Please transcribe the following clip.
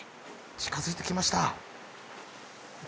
近づいてきました